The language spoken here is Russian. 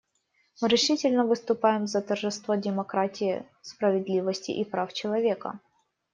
Мы решительно выступаем за тожество демократии, справедливости и прав человека.